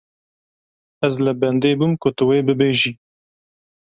Ez li bendê bûm ku tu wê bibêjî.